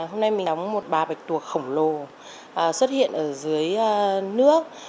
hôm nay mình đóng một bà bạch tuộc khổng lồ xuất hiện ở dưới nước